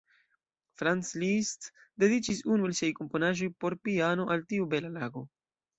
Franz Liszt dediĉis unu el siaj komponaĵoj por piano al tiu bela lago.